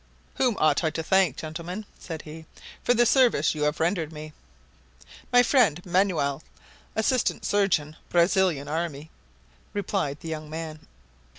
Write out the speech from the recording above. "Whom ought I to thank, gentlemen," said he, "for the service you have rendered me?" "My friend, Manoel, assistant surgeon, Brazilian army," replied the young man.